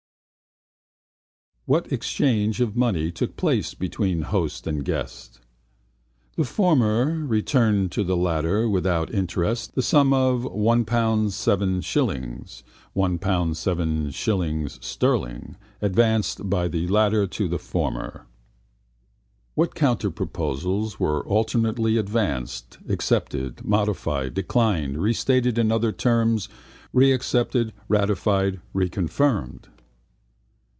What exchange of money took place between host and guest? The former returned to the latter, without interest, a sum of money (£ 1 7 0), one pound seven shillings sterling, advanced by the latter to the former. What counterproposals were alternately advanced, accepted, modified, declined, restated in other terms, reaccepted, ratified, reconfirmed?